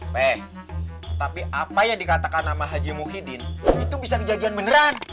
peh tapi apa yang dikatakan nama haji muhyiddin itu bisa kejadian beneran